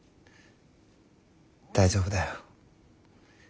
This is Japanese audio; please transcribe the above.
大丈夫だよ。